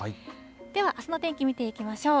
では、あすの天気見ていきましょう。